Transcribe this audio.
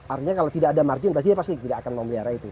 artinya kalau tidak ada margin pasti dia pasti tidak akan memelihara itu